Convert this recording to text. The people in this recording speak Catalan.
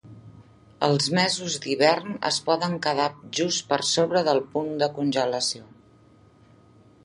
Els mesos d'hivern es poden quedar just per sobre del punt de congelació.